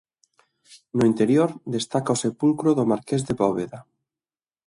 No interior destaca o sepulcro do marqués de Bóveda.